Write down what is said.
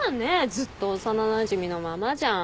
ずっと幼なじみのままじゃん。